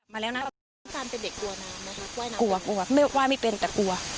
มาแล้วนะเป็นเด็กกลัวน้ำนะครับว่ายน้ำกลัวกลัวไม่ว่ายไม่เป็นแต่กลัว